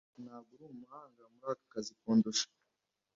Ntabwo uri umuhanga muri aka kazi kundusha.